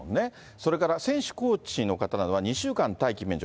それから、選手、コーチの方などは、２週間待機免除。